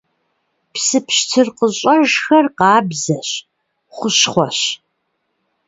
Псы пщтыр къыщӀэжхэр къабзэщ, хущхъуэщ.